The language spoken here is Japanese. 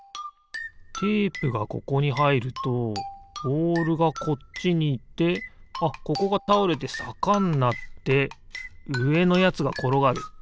テープがここにはいるとボールがこっちにいってあっここがたおれてさかになってうえのやつがころがる。